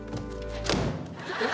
えっ？